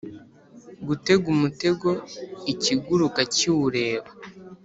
gutega umutego ikiguruka kiwureba,